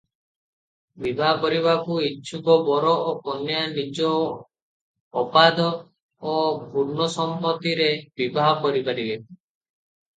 ବିବାହ କରିବାକୁ ଇଚ୍ଛୁକ ବର ଓ କନ୍ୟା ନିଜ ଅବାଧ ଓ ପୂର୍ଣ୍ଣ ସମ୍ମତିରେ ବିବାହ କରିପାରିବେ ।